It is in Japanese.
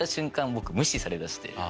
僕無視されだして。